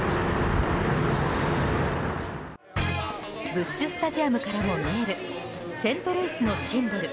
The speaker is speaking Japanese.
ブッシュ・スタジアムからも見える、セントルイスのシンボル